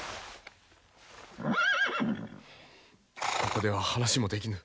ここでは話もできぬ。